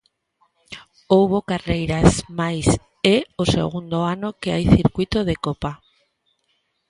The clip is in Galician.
Houbo carreiras mais é o segundo ano que hai circuíto de copa.